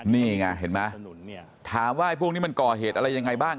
นี่ไงเห็นไหมถามว่าพวกนี้มันก่อเหตุอะไรยังไงบ้าง